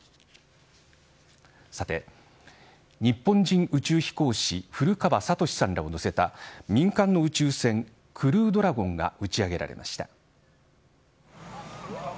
さて、日本人宇宙飛行士古川聡さんらを乗せた民間の宇宙船クルードラゴンが打ち上げられました。